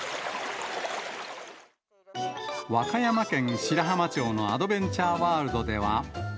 和歌山県白浜町のアドベンチャーワールドでは。